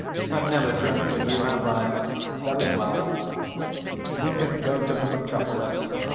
I've never drunk with you, have I?" "Very well, we can go to the 'Metropolis.